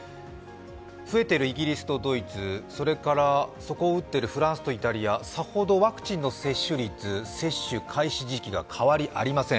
増えているイギリスとドイツ、それから底を打っているフランスとイタリアさほどワクチンの接種率、接種開始時期が変わりありません。